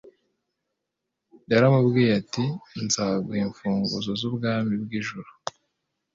Yaramubwiye ati: "Nzaguha imfuguzo z'ubwami bw'ijuru